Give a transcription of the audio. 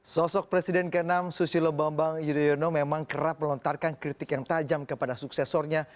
sosok presiden ke enam susilo bambang yudhoyono memang kerap melontarkan kritik yang tajam kepada suksesornya